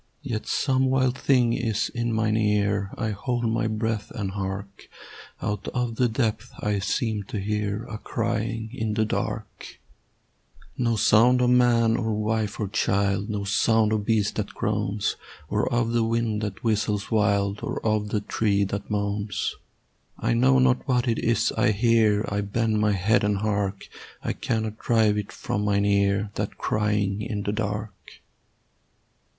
Yet some wild thing is in mine ear; I hold my breath and hark; Out of the depth I seem to hear A crying in the dark: No sound of man or wife or child, No sound of beast that groans, Or of the wind that whistles wild, Or of the tree that moans: I know not what it is I hear; I bend my head and hark: I cannot drive it from mine ear, That crying in the dark.